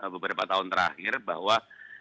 beberapa tahun terakhir bahwa